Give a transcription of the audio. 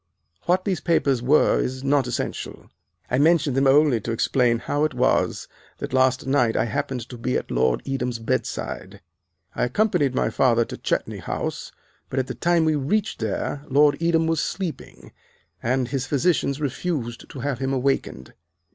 What these papers were is not essential; I mention them only to explain how it was that last night I happened to be at Lord Edam's bed side. I accompanied my father to Chetney House, but at the time we reached there Lord Edam was sleeping, and his physicians refused to have him awakened.